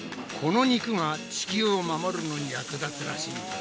この肉が地球を守るのに役立つらしい。